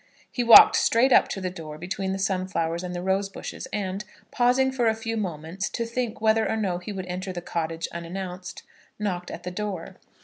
He walked straight up to the door, between the sunflowers and the rose bush, and, pausing for a few moments to think whether or no he would enter the cottage unannounced, knocked at the door.